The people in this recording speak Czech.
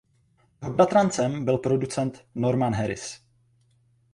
Jeho bratrancem byl producent Norman Harris.